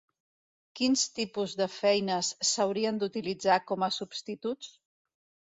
Quins tipus de feines s'haurien d'utilitzar com a substituts?